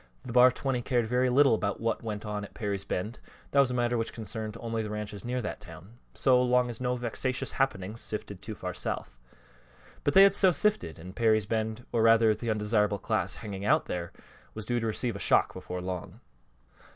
The Bar 20 cared very little about what went on at Perry's Bend that was a matter which concerned only the ranches near that town so long as no vexatious happenings sifted too far south. But they had so sifted, and Perry's Bend, or rather the undesirable class hanging out there, was due to receive a shock before long.